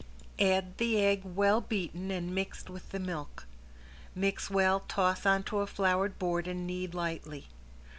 Add the egg well beaten and mixed with the milk. Mix well, toss onto a floured board and knead lightly.